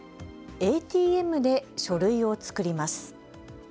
ＡＴＭで書類を作ります。